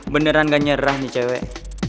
beneran gak nyerah nih cewek